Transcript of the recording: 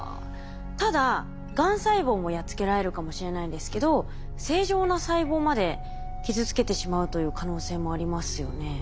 ただがん細胞もやっつけられるかもしれないんですけど正常な細胞まで傷つけてしまうという可能性もありますよね。